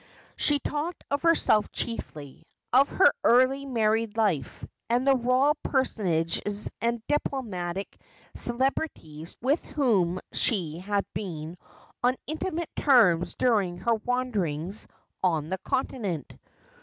She talked of herself chiefly, of her early married life, and the royal personages and diplomatic celebrities with whom she had been on intimate terms during her wanderings on the Continent.